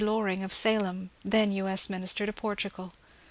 Loring of Salem, then U. S. Minister to Portugal.